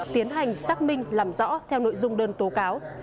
tiến hành xác minh làm rõ theo nội dung đơn tố cáo